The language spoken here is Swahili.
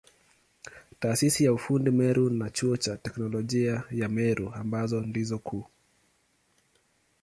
Taasisi ya ufundi Meru na Chuo cha Teknolojia ya Meru ambazo ndizo kuu.